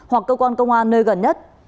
hoặc cơ quan công an nơi gần nhất